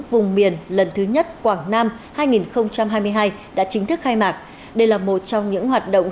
vùng miền lần thứ nhất quảng nam hai nghìn hai mươi hai đã chính thức khai mạc đây là một trong những hoạt động